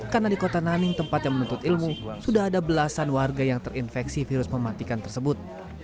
karena di kota nanning tempat yang menuntut ilmu sudah ada belasan warga yang terinfeksi virus mematikan tersebut